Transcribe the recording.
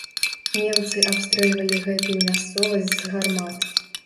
Немцы абстрэльвалі гэтую мясцовасць з гармат.